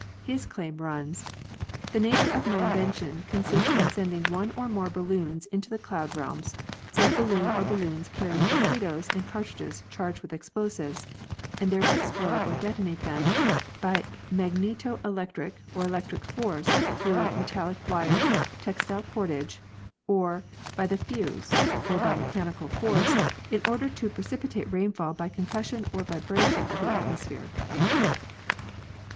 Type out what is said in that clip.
His claim runs: The nature of my invention consists in sending one or more balloons into the cloud realms, said balloon or balloons carrying torpedoes and cartridges charged with explosives, and there to explode or detonate them by magneto electric or electric force through metallic wire, textile cordage, or by the fuse, or by mechanical force, in order to precipitate rainfall by concussion or vibration of the atmosphere.